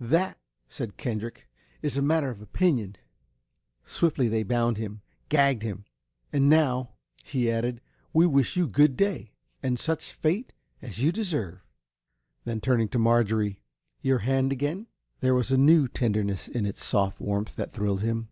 "That," said Kendrick, "is a matter of opinion." Swiftly they bound him, gagged him. "And now," he added, "we wish you good day and such fate as you deserve!" Then, turning to Marjorie: "Your hand again!" There was a new tenderness in its soft warmth that thrilled him.